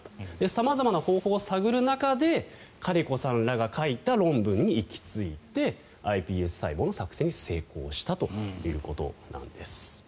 様々な方法を探る中でカリコさんらが書いた論文に行き着いてｉＰＳ細胞の作製に成功したということなんです。